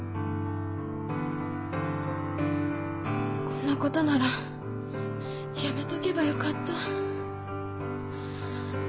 こんなことならやめとけばよかった。